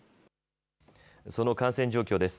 その感染状況です。